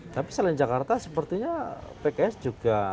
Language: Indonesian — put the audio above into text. tapi selain jakarta sepertinya pks juga